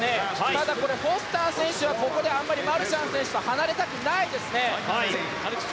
ただ、これフォスター選手はここでマルシャン選手と離れたくないですね。